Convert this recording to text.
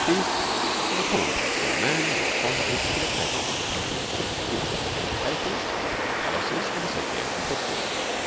He was a commonplace young man with a fondness for the pleasures of the people. He liked cheap papers, picture palaces, and Association football.